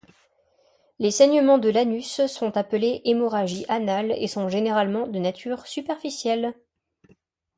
Les saignements de l'anus sont appelés hémorragies anales et sont généralement de nature superficielle.